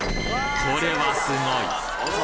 これはすごい！